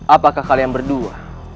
apakah kalian berdua